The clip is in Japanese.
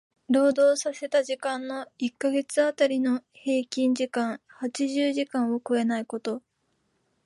労働させた時間の一箇月当たりの平均時間八十時間を超えないこと。